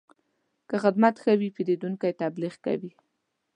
که خدمت ښه وي، پیرودونکی تبلیغ کوي.